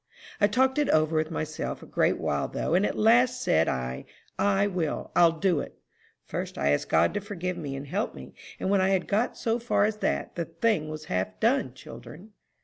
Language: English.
"I talked it over with myself a great while though, and at last said I, 'I will; I'll do it!' First, I asked God to forgive me and help me, and when I had got as far as that, the thing was half done, children."